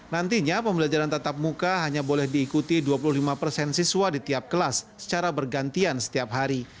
nantinya pembelajaran tatap muka hanya boleh diikuti dua puluh lima persen siswa di tiap kelas secara bergantian setiap hari